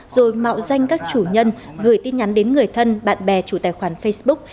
rồi mạo danh các chủ nhân gửi tin nhắn đến người thân bạn bè chủ tài khoản facebook